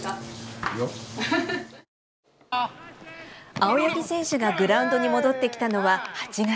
青柳選手がグラウンドに戻ってきたのは８月。